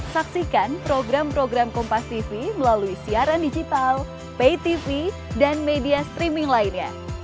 saksikan program program kompastv melalui siaran digital paytv dan media streaming lainnya